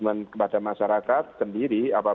ya mana kata agama bisa jadi gitu